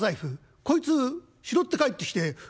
こいつ拾って帰ってきて。